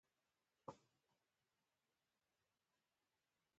د طالبانو د لومړۍ دورې امارت وختونه مې ذهن ته راغلل.